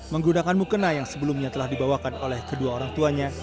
menggunakan mukena yang sebelumnya telah dibawakan oleh kedua orang tuanya